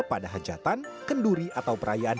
pada hajatan kenduri atau perayaan